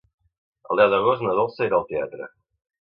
El deu d'agost na Dolça irà al teatre.